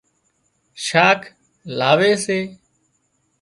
شاک لاوي سي